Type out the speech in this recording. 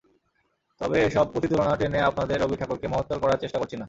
তবে এসব প্রতিতুলনা টেনে আপনাদের রবিঠাকুরকে মহত্তর করার চেষ্টা করছি না।